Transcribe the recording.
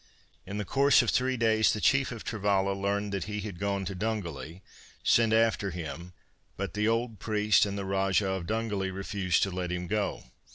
In the course of three days the chief of Travalla learning that he had gone to Dungally, sent after him, but the old priest and the Rajah of Dungally refused to let him go.